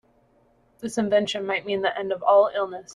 This invention might mean the end of all illness.